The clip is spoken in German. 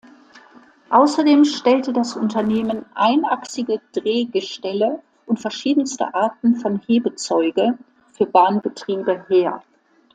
Außerdem stellte das Unternehmen einachsige Drehgestelle und verschiedenste Arten von Hebezeuge für Bahnbetriebe her.